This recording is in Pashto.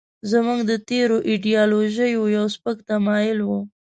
زموږ د تېرو ایډیالوژیو یو سپک تمایل و.